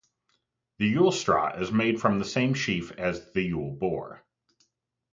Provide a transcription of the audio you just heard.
The Yule Straw is made from the same sheaf as the Yule Boar.